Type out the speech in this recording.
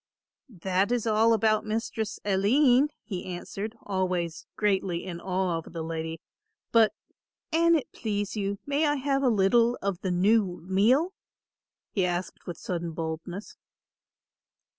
"That is all about Mistress Aline," he answered, always greatly in awe of the lady, "but, an it please you, may I have a little of the new meal?" he added with sudden boldness.